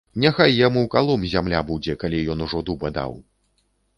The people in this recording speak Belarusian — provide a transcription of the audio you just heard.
Няхай яму калом зямля будзе, калі ён ужо дуба даў.